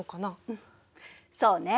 うんそうね。